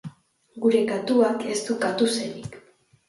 Gure katuak ez du katu-senik.